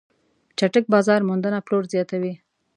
چټک بازار موندنه پلور زیاتوي.